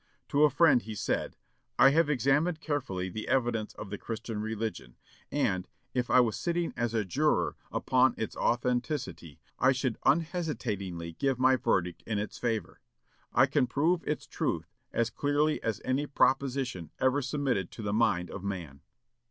To a friend he said: "I have examined carefully the evidence of the Christian religion; and, if I was sitting as a juror upon its authenticity, I should unhesitatingly give my verdict in its favor.... I can prove its truth as clearly as any proposition ever submitted to the mind of man."